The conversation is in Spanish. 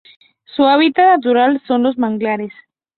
Su hábitat natural son los manglares.